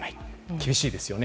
厳しいですね。